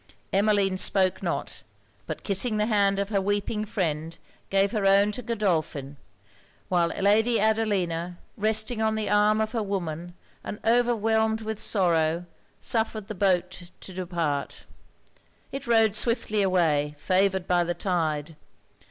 Emmeline spoke not; but kissing the hand of her weeping friend, gave her own to Godolphin; while Lady Adelina, resting on the arm of her woman, and overwhelmed with sorrow, suffered the boat to depart. It rowed swiftly away; favoured by the tide.